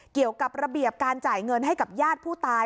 เกี่ยวกับระเบียบการจ่ายเงินให้กับญาติผู้ตาย